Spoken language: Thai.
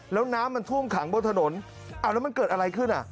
แล้วน้ำมันท่วมขังบนถนนอ้าวแล้วมันเกิดอะไรขึ้นอ่ะ